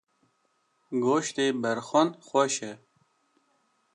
Goştê berxan xweş e.